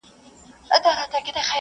ګاونډیان به نوي تړونونه لاسلیک کړي.